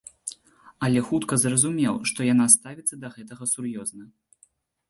Але хутка зразумеў, што яна ставіцца да гэтага сур'ёзна.